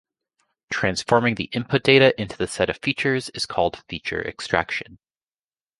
Transforming the input data into the set of features is called feature extraction.